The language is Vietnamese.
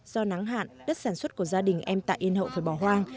do nắng hạn đất sản xuất của gia đình em tạ yên hậu phải bỏ hoang